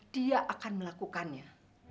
dia akan melakukannya